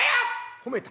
褒めた。